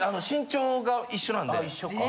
身長が一緒なんで。